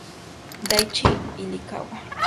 Daichi Ishikawa